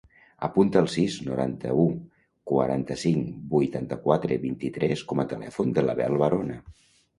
Apunta el sis, noranta-u, quaranta-cinc, vuitanta-quatre, vint-i-tres com a telèfon de l'Abel Varona.